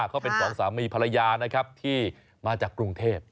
เขาเป็นสองสามีภรรยานะครับที่มาจากกรุงเทพ